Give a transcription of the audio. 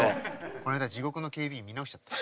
この間「地獄の警備員」見直しちゃった。